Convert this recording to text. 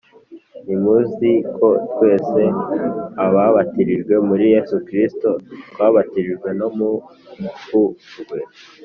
Nti muziko twese ababatirijwe muri yesu kirisito twabatirijwe no mupfu rwe?